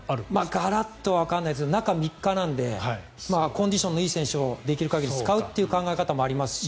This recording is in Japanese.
ガラッとはわからないですが中３日なのでコンディションのいい選手をできる限り使うという考え方もありますし。